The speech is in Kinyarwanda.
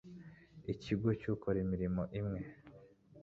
ikigo cy ukora imirimo imwe